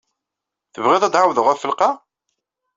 Tebɣiḍ ad d-ɛawdeɣ ɣef lqaɛ?